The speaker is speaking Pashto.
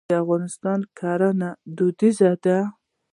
د افغانستان کرنه دودیزه ده.